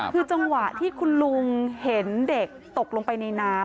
คือจังหวะที่คุณลุงเห็นเด็กตกลงไปในน้ำ